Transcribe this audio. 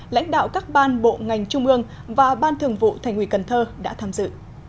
lãnh đạo các ban bộ ngành trung ương và ban thường vụ thành ủy cần thơ đã tham dự